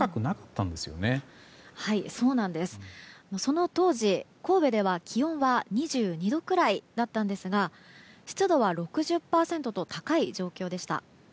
その当時、神戸では気温は２２度くらいだったんですが湿度は６０％と高い状況でした。